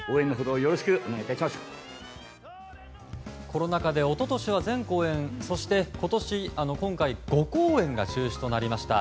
コロナ禍で一昨年は全公演そして、今回５公演が中止となりました。